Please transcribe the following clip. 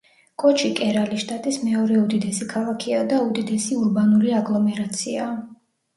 კოჩი კერალის შტატის მეორე უდიდესი ქალაქია და უდიდესი ურბანული აგლომერაციაა.